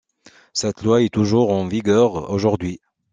Cette loi est toujours en vigueur aujourd'hui.